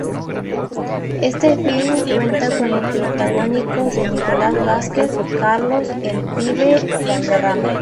Este film cuenta con los protagónicos de Nicolás Vázquez, Carlos "El Pibe" Valderrama.